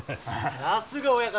さすが親方！